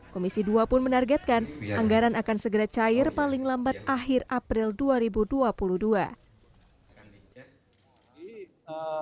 komisi dua pun menargetkan anggaran akan segera cair paling lambat akhir april dua ribu dua puluh dua